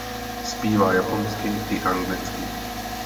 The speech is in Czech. Zpívá japonsky i anglicky.